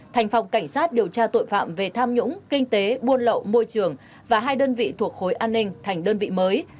thành phòng cảnh sát điều tra tội phạm về tham nhũng kinh tế buôn lậu môi trường và hai đơn vị thuộc khối an ninh thành đơn vị mới